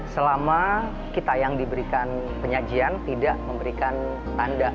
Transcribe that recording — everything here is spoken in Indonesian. selama kita yang diberikan penyajian tidak memberikan tanda